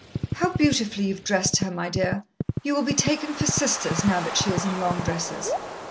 "How beautifully you've dressed her, my dear. You will be taken for sisters, now that she is in long dresses."